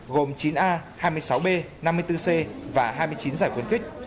gồm chín a hai mươi sáu b năm mươi bốn c và hai mươi chín giải khuyến khích